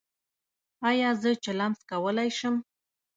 ایا زه چلم څکولی شم؟